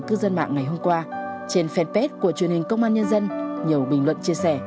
cư dân mạng ngày hôm qua trên fanpage của truyền hình công an nhân dân nhiều bình luận chia sẻ